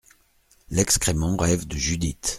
L’excrément rêve de Judith…